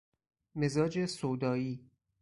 مزاج سودائی